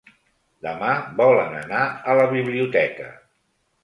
Demà volen anar a la biblioteca.